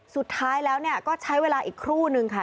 สุดท้ายแล้วก็ใช้เวลาอีกครู่นึงค่ะ